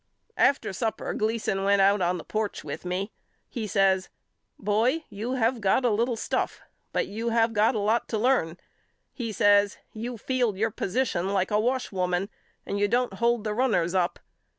After supper Gleason went out on the porch with me. He says Boy you have got a little stuff but you have got a lot to learn. He says You field your position like a wash woman and you don't hold the runners up.